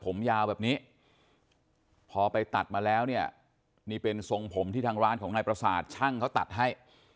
ผมยาวแบบนี้พอไปตัดมาแล้วเนี่ยนี่เป็นทรงผมที่ทางร้านของนายประสาทช่างเขาตัดให้